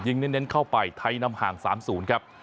เน้นเข้าไปไทยนำห่าง๓๐ครับ